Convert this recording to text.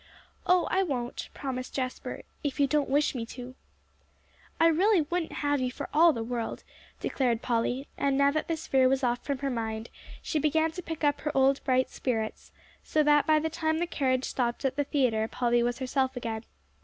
"Oh, I won't," promised Jasper, "if you don't wish me to." "I really wouldn't have you for all the world," declared Polly; and now that this fear was off from her mind, she began to pick up her old, bright spirits, so that by the time the carriage stopped at the theatre, Polly was herself again.